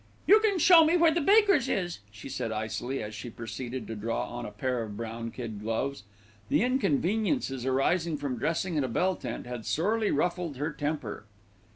"You can show me where the bakers is," she said icily, as she proceeded to draw on a pair of brown kid gloves. The inconveniences arising from dressing in a bell tent had sorely ruffled her temper.